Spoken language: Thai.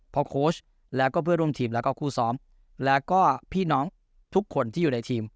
พอโค้ชแล้วก็เพื่อร่วมทีมแล้วก็คู่ซ้อมแล้วก็พี่น้องทุกคนที่อยู่ในทีม